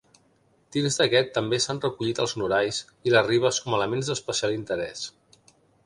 Dins d'aquest també s'han recollit els norais i les ribes com a elements d'especial interès.